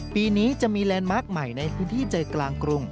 ปีนี้จะมีแลนด์มาร์คใหม่ในพื้นที่ใจกลางกรุง